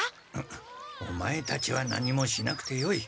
オマエたちは何もしなくてよい。